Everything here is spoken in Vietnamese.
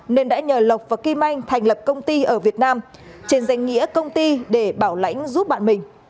nên đã nhờ lộc và kim anh thành lập công ty ở việt nam trên danh nghĩa công ty để bảo lãnh giúp bạn mình